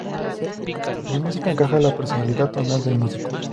Mi música encaja la personalidad tonal del músico.